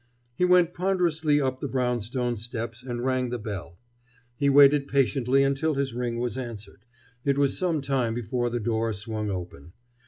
He went ponderously up the brownstone steps and rang the bell. He waited patiently until his ring was answered. It was some time before the door swung open.